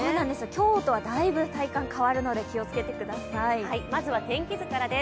今日とはだいぶ、体感が変わるので気をつけてください。